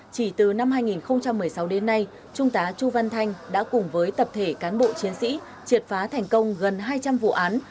chỉ từ năm hai nghìn một mươi sáu đến nay trung tá chu văn thanh đã cùng với tập thể cán bộ chiến sĩ triệt phá thành công gần hai trăm linh vụ án